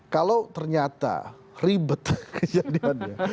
kalau ternyata ribet kejadiannya